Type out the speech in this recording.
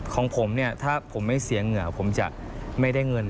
ของผมเนี่ยถ้าผมไม่เสียเหงื่อผมจะไม่ได้เงิน